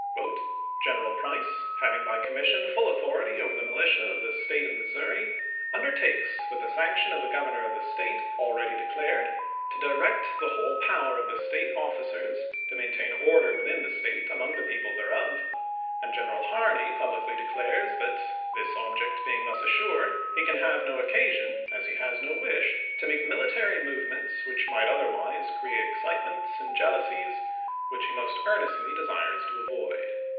General Price, having by commission full authority over the mOitia of the State of Missouri, undertakes, with the sanction of the Governor of the State, already de clared, to direct the whole power of the State officers to maintain order within the State among the people thereof, and General Harney publicly declares that, this object Price being thus assured, he can have no occasion, as he has no A^eeiuent "^^^h, to make military movements which might other May 2i,i86i! wise create excitements and iealousies, which he most W R Vol iiL, i). 375." earnestly desires to avoid.